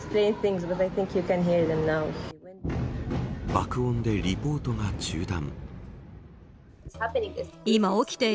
爆音でリポートが中断。